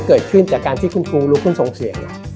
เกิดขึ้นจากการที่คุณครูลุกขึ้นส่งเสียง